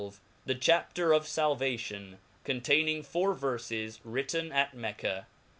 TheChaper of Salvation, containingfcHreVerfes, V^ritteK at Mecca.